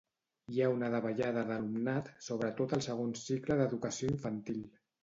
Hi ha una davallada d'alumnat sobretot al segon cicle d'educació infantil.